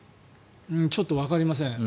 ちょっとわかりません。